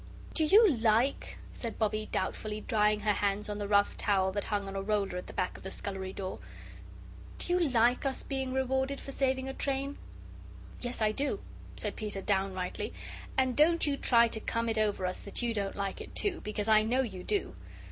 "Do you LIKE," said Bobbie, doubtfully, drying her hands on the rough towel that hung on a roller at the back of the scullery door, "do you LIKE us being rewarded for saving a train?" "Yes, I do," said Peter, downrightly; "and don't you try to come it over us that you don't like it, too. Because I know you do."